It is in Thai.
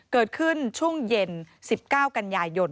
เกิดขึ้นช่วงเย็น๑๙กันยายน